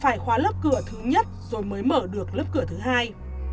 phải khóa lớp cửa thứ nhất rồi mới mở được lớp cửa thứ hai